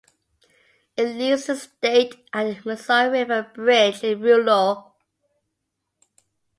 It leaves the state at the Missouri River bridge in Rulo.